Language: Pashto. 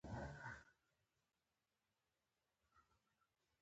انګور څنګه خوږیږي؟